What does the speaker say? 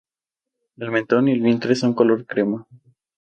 El mentón y el vientre son color crema.